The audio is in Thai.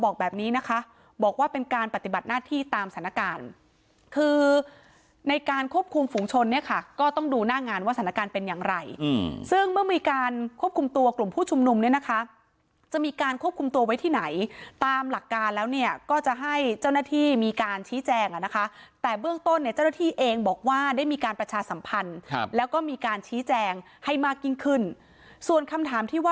คือในการควบคุมฝุงชนเนี่ยค่ะก็ต้องดูหน้างานว่าสถานการณ์เป็นอย่างไรซึ่งเมื่อมีการควบคุมตัวกลุ่มผู้ชุมนุมเนี่ยนะคะจะมีการควบคุมตัวไว้ที่ไหนตามหลักการแล้วเนี่ยก็จะให้เจ้าหน้าที่มีการชี้แจงนะคะแต่เบื้องต้นเนี่ยเจ้าหน้าที่เองบอกว่าได้มีการประชาสัมพันธ์แล้วก็มีการชี้แจงให้มากยิ่